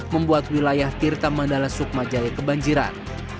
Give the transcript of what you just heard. membuat wilayah tirta mandala sukma jahit kebanjiran